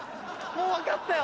もうわかったよ。